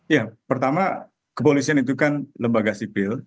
ya pertama kepolisian itu kan lembaga sipil